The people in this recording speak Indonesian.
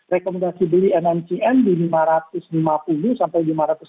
rekomendasi beli nmcn di lima ratus lima puluh sampai lima ratus tujuh puluh lima